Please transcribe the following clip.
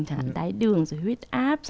chẳng hạn tái đường huyết áp